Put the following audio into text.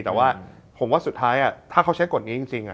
แต่ว่าผมว่าสุดท้ายถ้าเขาใช้กฎนี้จริง